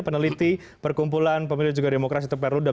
peneliti perkumpulan pemilih demokrasi teperludam